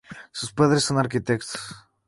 Sus padres son arquitectos.